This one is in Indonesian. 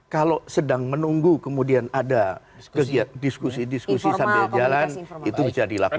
kalau sedang menunggu kemudian ada diskusi diskusi sambil jalan itu bisa dilakukan